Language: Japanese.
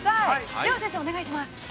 では先生、お願いします。